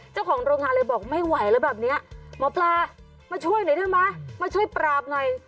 เจ้าของโรงงานเลยบอกไม่ไหวแล้วแบบนี้หมอปลามาช่วยหน่อยได้ไหมมาช่วยปราบหน่อย